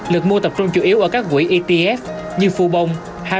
lực mua tập trung chủ yếu ở các quỹ etf như phu bông